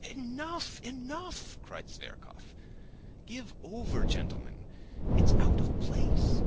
"Enough, enough!" cried Zverkov. "Give over, gentlemen, it's out of place.